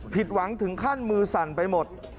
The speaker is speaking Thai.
ผิดหวังถึงขั้นมือสั่นไปหมด